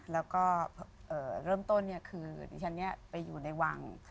แล้วก็เริ่มต้นเนี่ยคือทีนี้ไปอยู่ในวัง